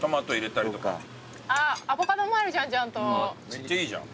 めっちゃいいじゃん。